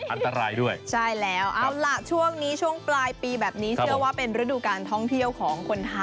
โอล่าช่วงนี้ช่วงปลายปีแบบนี้เชื่อว่าเป็นฤดูการท่องเที่ยวของคนไทย